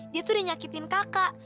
dia tuh udah nyakitin kakak